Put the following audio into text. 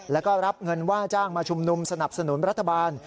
แล้วก็รับเงินว่าจ้างมาชุมนุมสนับสนุนรัฐบาล